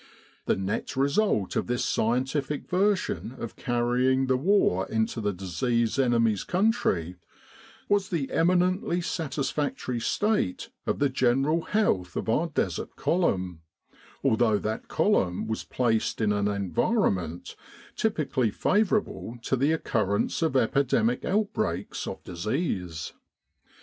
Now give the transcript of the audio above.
The net result of this scientific version of carrying the war into the disease enemy's country, was the eminently satisfac tory state of the general health of our Desert Column, although that column was placed in an environment typically favourable to the occurrence of epidemic outbreaks of disease.